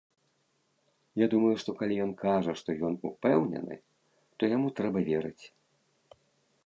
Я думаю, што калі ён кажа, што ён упэўнены, то яму трэба верыць.